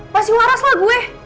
apa lo masih waras lah gue